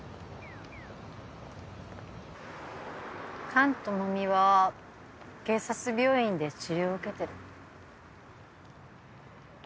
菅朋美は警察病院で治療を受けてる。